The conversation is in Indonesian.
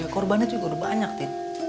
cewek korbannya juga udah banyak tin